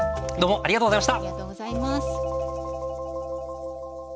ありがとうございます。